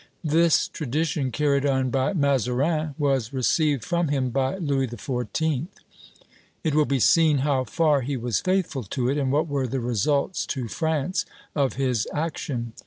This tradition, carried on by Mazarin, was received from him by Louis XIV.; it will be seen how far he was faithful to it, and what were the results to France of his action.